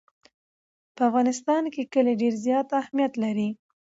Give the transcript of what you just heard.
په افغانستان کې کلي ډېر زیات اهمیت لري.